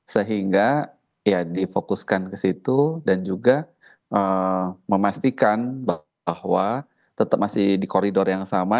sehingga ya difokuskan ke situ dan juga memastikan bahwa tetap masih di koridor yang sama